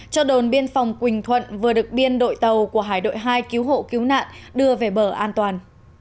cho đồn biên phòng quỳnh thuận vừa được biên đội tàu của hải đội hai cứu hộ cứu nạn đưa về bờ an toàn